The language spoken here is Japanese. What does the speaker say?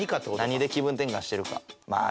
何で気分転換してるか。